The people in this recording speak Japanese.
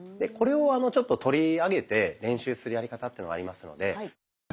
これをちょっと取り上げて練習するやり方っていうのがありますので。